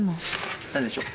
何でしょう？